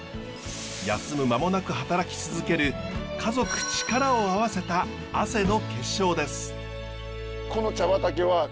休む間もなく働き続ける家族力を合わせた汗の結晶です。